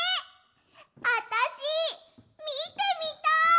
あたしみてみたい！